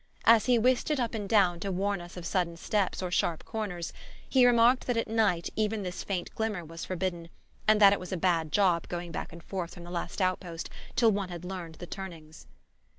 As he whisked it up and down to warn us of sudden steps or sharp corners he remarked that at night even this faint glimmer was forbidden, and that it was a bad job going back and forth from the last outpost till one had learned the turnings.